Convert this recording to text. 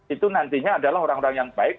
itu nantinya adalah orang orang yang baik